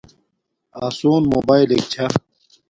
آسون موباݵلک چھا